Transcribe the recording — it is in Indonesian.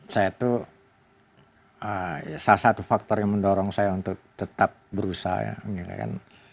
saya itu salah satu faktor yang mendorong saya untuk tetap berusaha